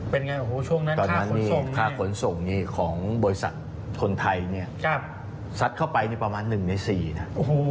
เป็นไงโอ้โหช่วงนั้นตอนนั้นค่าขนส่งของบริษัทคนไทยเนี่ยซัดเข้าไปประมาณ๑ใน๔นะ